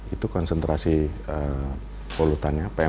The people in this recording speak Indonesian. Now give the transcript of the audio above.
itu konsentrasi polutannya pm dua serta pm tiga